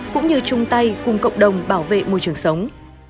cũng như chung tay cùng cộng đồng bảo vệ môi trường sống